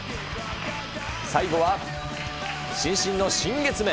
最後は伸身の新月面。